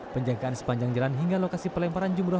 penjagaan sepanjang jalan hingga lokasi pelemparan jumroh